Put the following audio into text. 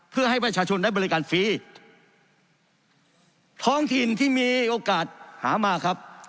เพื่อให้ประชาชนได้บริการฟรีท้องถิ่นที่มีโอกาสหามาครับ